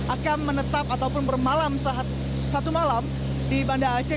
akan menetap atau bermalam satu malam di bandar aceh